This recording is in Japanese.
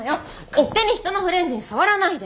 勝手に人のフレンズに触らないで。